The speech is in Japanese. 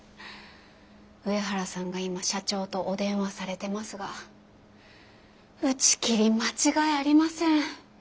上原さんが今社長とお電話されてますが打ち切り間違いありません。